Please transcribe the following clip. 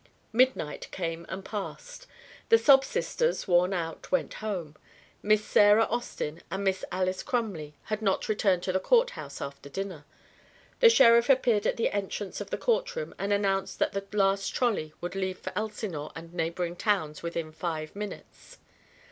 Midnight came and passed. The sob sisters, worn out, went home. Miss Sarah Austin and Miss Alys Crumley had not returned to the Court house after dinner. The sheriff appeared at the entrance of the courtroom and announced that the last trolley would leave for Elsinore and neighbouring towns within five minutes.